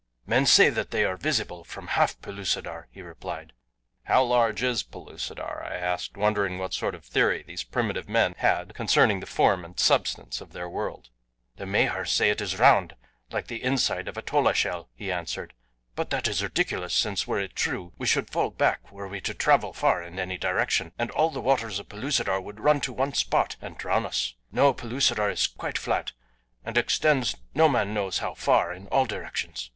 "Men say that they are visible from half Pellucidar," he replied. "How large is Pellucidar?" I asked, wondering what sort of theory these primitive men had concerning the form and substance of their world. "The Mahars say it is round, like the inside of a tola shell," he answered, "but that is ridiculous, since, were it true, we should fall back were we to travel far in any direction, and all the waters of Pellucidar would run to one spot and drown us. No, Pellucidar is quite flat and extends no man knows how far in all directions.